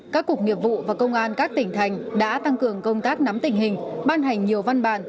các cục nghiệp vụ và công an các tỉnh thành đã tăng cường công tác nắm tình hình ban hành nhiều văn bản